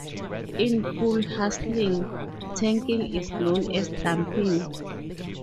In pool hustling, tanking is known as dumping.